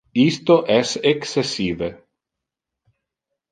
Isto es excessive!